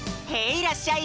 いらっしゃい！